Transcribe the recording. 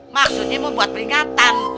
maksudnya mau buat peringatan